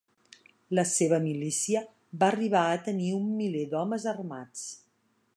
La seva milícia va arribar a tenir un miler d'homes armats.